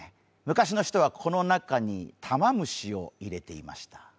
昔の人はこの中にタマムシを入れていました。